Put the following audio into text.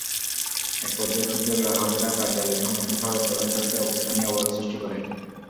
একপর্যায়ে ক্ষুব্ধ গ্রাহকেরা কার্যালয়-সংলগ্ন শহরের প্রধান সড়কে অবস্থান নিয়ে অবরোধ সৃষ্টি করেন।